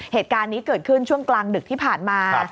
เหตุการณ์นี้เกิดขึ้นช่วงกลางดึกที่ผ่านมา